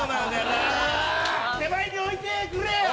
手前に置いてくれよ！